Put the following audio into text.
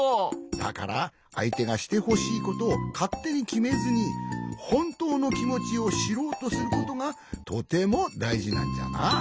だからあいてがしてほしいことをかってにきめずにほんとうのきもちをしろうとすることがとてもだいじなんじゃな。